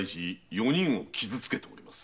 四人を傷つけております。